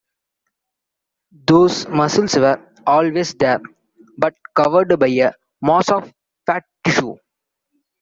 Those muscles were always there but covered by a mass of fat tissue.